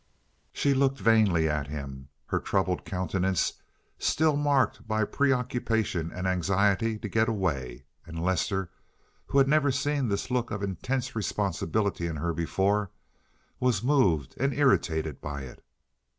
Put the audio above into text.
She looked vainly at him, her troubled countenance still marked by preoccupation and anxiety to get away, and Lester, who had never seen this look of intense responsibility in her before, was moved and irritated by it.